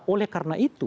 oleh karena itu